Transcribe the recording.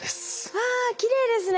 わあきれいですね。